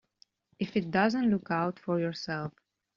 If it doesn't look out for yourself.